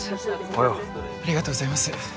おはようありがとうございます